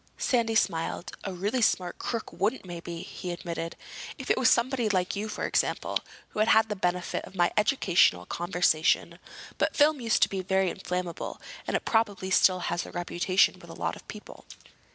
Sandy smiled. "A really smart crook wouldn't, maybe," he admitted. "If he was somebody like you, for example, who had had the benefit of my educational conversation. But film used to be very inflammable, and it probably still has that reputation with a lot of people."